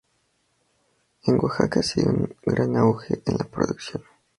En Oaxaca se dio un gran auge en la producción.